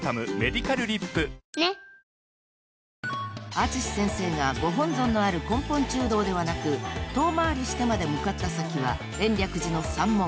［淳先生がご本尊のある根本中堂ではなく遠回りしてまで向かった先は延暦寺の山門］